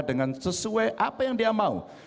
dengan sesuai apa yang dia mau